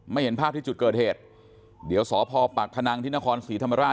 ไม่เห็นภาพที่จุดเกิดเหตุเดี๋ยวสพปคณ๑๙๖๒นนสีธรรมราช